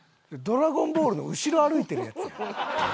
『ドラゴンボール』の後ろ歩いてる奴や。